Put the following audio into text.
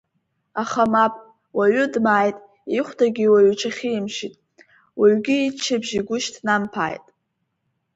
Аха мап, уаҩы дмааит, ихәдагьы уаҩ иҽахимшьит, уаҩгьы иччабжь игәы шьҭнамԥааит.